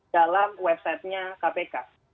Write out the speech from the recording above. dalam website nya kpk